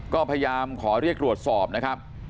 ก็พยายามขอเรียกตรวจสอบนะครับ